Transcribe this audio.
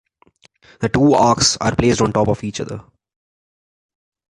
The two arches are placed on top of each other.